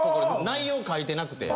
内容書いてなくて。